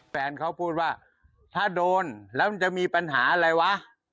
แฟนเขาพูดว่าถ้าโดนแล้วมันจะมีปัญหาอะไรวะ